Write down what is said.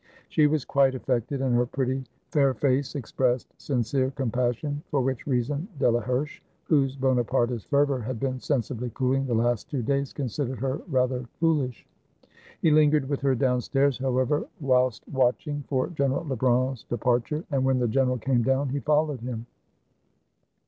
She was quite affected, and her pretty, fair face expressed sincere compassion; for which reason Dela herche, whose Bonapartist fervor had been sensibly cool ing the last two days, considered her rather foolish. He lingered with her downstairs, however, whilst watching 400 THE WHITE FLAG OF SEDAN for General Lebrun's departure. And when the gen eral came down he followed him.